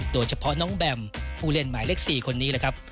โดยเฉพาะน้องแบมผู้เล่นหมายเลข๔คนนี้แหละครับ